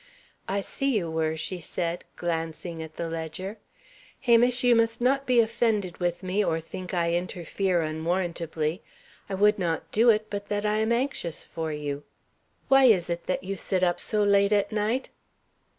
"I see you were," she said, glancing at the ledger. "Hamish, you must not be offended with me, or think I interfere unwarrantably. I would not do it, but that I am anxious for you. Why is it that you sit up so late at night?"